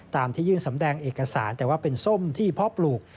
ที่ยื่นสำแดงเอกสารแต่ว่าเป็นส้มที่เพาะปลูก